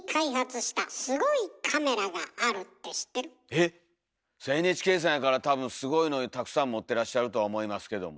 えっＮＨＫさんやから多分すごいのたくさん持ってらっしゃるとは思いますけども。